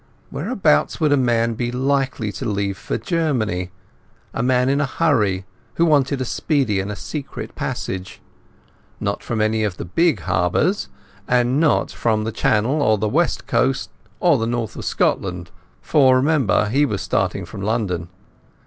Whereabouts would a man be likely to leave for Germany, a man in a hurry, who wanted a speedy and a secret passage? Not from any of the big harbours. And not from the Channel or the West Coast or Scotland, for, remember, he was starting from London.